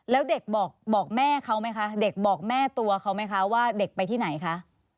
แล้วเด็กบอกแม่เขาไหมคะเด็กบอกแม่ตัวเขาไหมคะว่าเด็กไปที่ไหนคะ